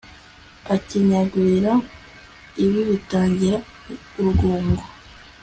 akenyagurike ibi bitagira urwungo